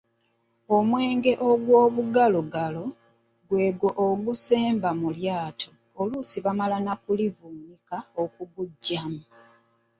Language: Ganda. Omwenge ogwobugalogalo gwegwo ogusemba mu lyato oluusi bamala na kuliwunzika okuguggyamu.